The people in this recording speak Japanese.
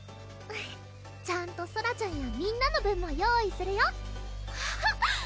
ちゃんとソラちゃんやみんなの分も用意するよ！